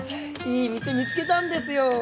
いい店見つけたんですよ！